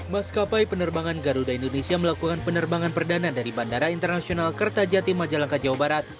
maskapai penerbangan garuda indonesia melakukan penerbangan perdana dari bandara internasional kertajati majalengka jawa barat